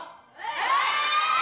はい！